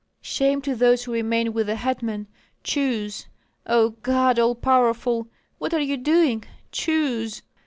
"Shame to those who remain with the hetman! Choose! O God, All Powerful! What are you doing? Choose!"